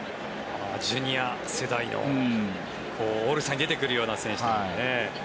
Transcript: ジュニア世代のオールスターに出てくるような選手。